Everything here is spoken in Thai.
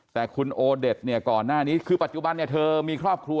แต่คุณโอเด็ตก่อนหน้านี้คือปัจจุบันเธอมีครอบครัว